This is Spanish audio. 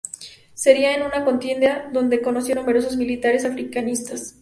Sería en esta contienda donde conoció a numerosos militares africanistas.